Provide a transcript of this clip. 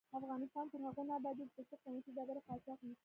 افغانستان تر هغو نه ابادیږي، ترڅو قیمتي ډبرې قاچاق نشي.